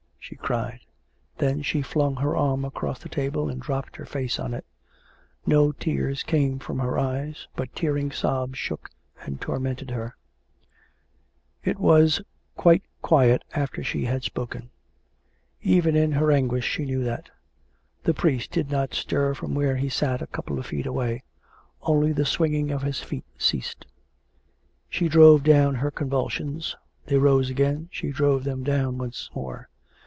.." she cried. Then she flung her arm across the table and dropped her face on it. No tears came from her eyes, but tearing sobs shook and tormented her. 444 COME RACK! COME ROPE! It was quite quiet after she had spoken. Even in her anguish she knew that. The priest did not stir from where he sat a couple of feet away; only the swinging of his feet ceased. She drove down her convulsions ; they rose again ; she drove them down once more.